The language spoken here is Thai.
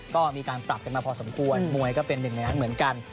ก็มีการปรับกันมาพอสมควรมวยก็เป็นหนึ่งในนั้นเหมือนกัน